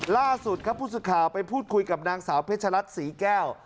ล่าสุดครับผู้สื่อข่าวไปพูดคุยกับนางสาวเพชรัตนศรีแก้ว